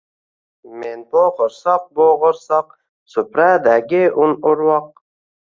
— Men bo’g’irsoq, bo’g’irsoq, supradagi un-urvoq